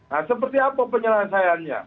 nah seperti apa penyelesaiannya